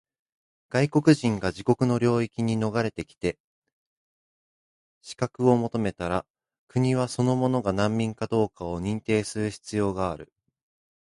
外国人が自国の領域に逃れてきて庇護を求めたら、国はその者が難民かどうかを認定する必要がある。